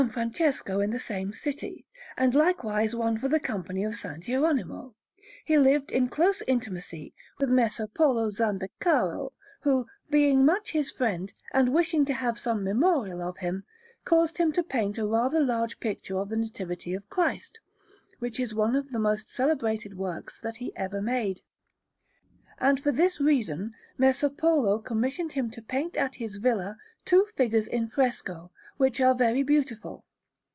Francesco in the same city, and likewise one for the Company of S. Gieronimo. He lived in close intimacy with Messer Polo Zambeccaro, who, being much his friend, and wishing to have some memorial of him, caused him to paint a rather large picture of the Nativity of Christ, which is one of the most celebrated works that he ever made; and for this reason Messer Polo commissioned him to paint at his villa two figures in fresco, which are very beautiful.